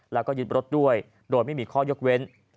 แล้วก็ยึดรถด้วยโดยไม่มีข้อยกเว้น